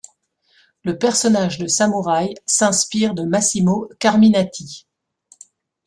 Le personnage de Samurai s'inspire de Massimo Carminati.